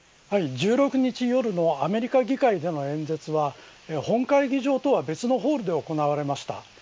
１６日夜のアメリカ議会での演説は本会議場とは別のホールで行われました。